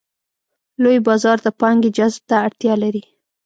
لوی بازار د پانګې جذب ته اړتیا لري.